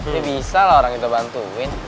ya bisa lah orang itu bantuin